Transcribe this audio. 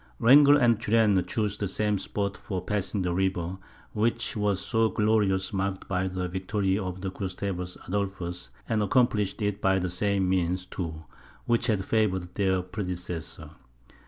Wrangel and Turenne chose the same spot for passing the river, which was so gloriously marked by the victory of Gustavus Adolphus, and accomplished it by the same means, too, which had favoured their predecessor.